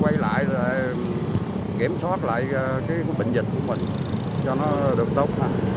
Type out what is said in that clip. quay lại rồi kiểm soát lại cái bệnh dịch của mình cho nó được tốt